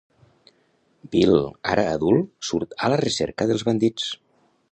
Bill, ara adult, surt a la recerca dels bandits.